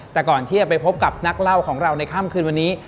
แต่ก่อนที่จะไปพบกับนักเล่าของเราในค่ำคืนวันนี้